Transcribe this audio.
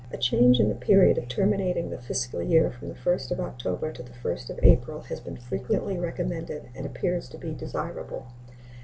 A change in the period of terminating the fiscal year, from the 1st of October to the 1st of April, has been frequently recommended, and appears to be desirable.